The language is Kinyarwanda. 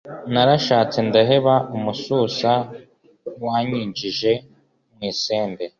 Narashatse ndaheba, Umususa wanyinjiye mu isembe